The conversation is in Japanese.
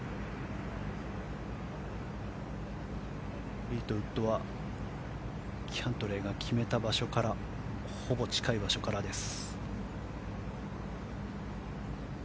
フリートウッドはキャントレーが決めた場所からほぼ近い場所からです。